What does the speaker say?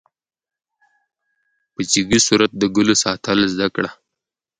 په ځیږه صورت د ګلو ساتل زده کړه.